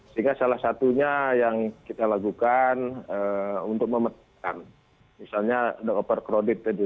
sehingga salah satunya yang kita lakukan untuk memetakan misalnya the overcrowded tadi